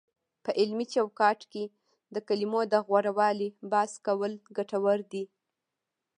په علمي چوکاټ کې د کلمو د غوره والي بحث کول ګټور دی،